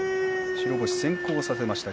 白星先行させました。